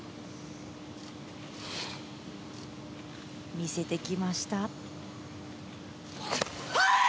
見せてきました。